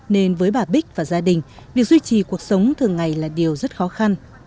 nên với bà bích và gia đình việc duy trì cuộc sống thường ngày là điều rất khó khăn